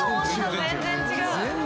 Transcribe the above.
全然違う。